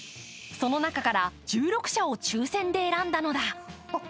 その中から１６社を抽選で選んだのだ。